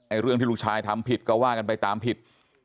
เรื่องที่ลูกชายทำผิดก็ว่ากันไปตามผิด